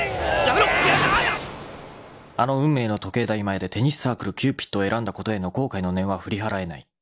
［あの運命の時計台前でテニスサークル「キューピット」を選んだことへの後悔の念は振り払えない］